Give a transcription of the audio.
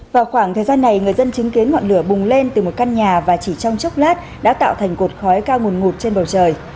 vào khoảng thời gian này người dân chứng kiến ngọn lửa bùng lên từ một căn nhà và chỉ trong chốc lát đã tạo thành cột khói cao nguồn ngụt trên bầu trời